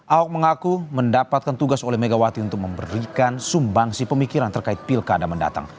ahok mengaku mendapatkan tugas oleh megawati untuk memberikan sumbangsi pemikiran terkait pilkada mendatang